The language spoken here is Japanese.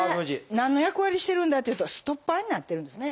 何の役割してるんだというとストッパーになってるんですね。